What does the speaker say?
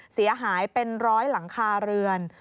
เสียหายเป็นร้อยหลังคาเรือน